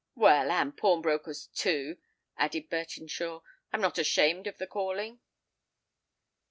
"Well—and pawnbroker's, too," added Bertinshaw: "I'm not ashamed of the calling."